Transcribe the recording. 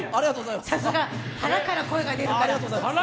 さすが、腹から声が出てるから。